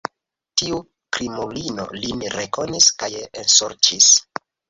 Tiu krimulino lin rekonis kaj ensorĉis.